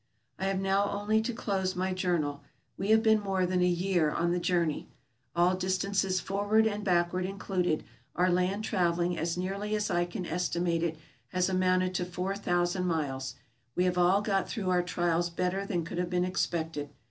I have now only to close my journal. We have been more than a year on the journey. All distances forward and backward included, our land traveling, as nearly as I can estimate it, has amounted to 4000 miles. We have all got through our trials better than could have been expected.